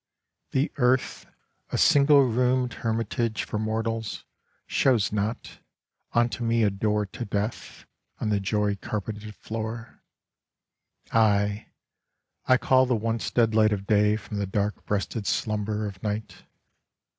The earth, a single roomed hermitage for mortals, shows not, unto me a door to Death on the joy carpeted floor — Aye, I call the once dead light of day from the dark breasted slumber of night